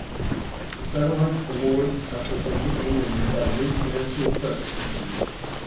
The Satellite Awards are presented annually by the International Press Academy.